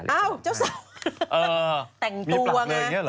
เอ้าเจ้าสาวแต่งตัวไงมีปรับเลยอย่างเงี้ยเหรอ